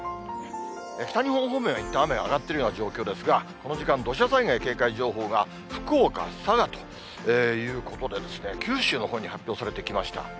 北日本方面はいったん雨、上がっているような状況ですが、この時間、土砂災害警戒情報が福岡、佐賀ということで、九州のほうに発表されてきました。